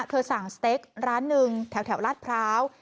สั่งสเต็กร้านหนึ่งแถวลาดพร้าว